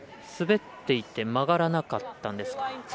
滑っていて曲がらなかったんですか？